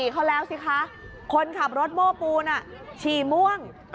เขาแล้วสิคะคนขับรถโม้ปูนฉี่ม่วง